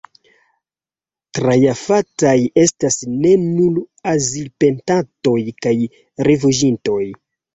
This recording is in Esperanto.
Trafataj estas ne nur azilpetantoj kaj rifuĝintoj.